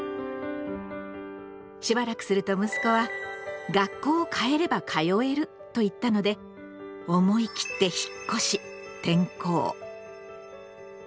しばらくすると息子は「学校をかえれば通える」と言ったので思い切って引っ越し転校。